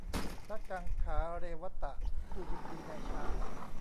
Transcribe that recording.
พระกังขาเรวตะ ผู้ยินดีในฌาน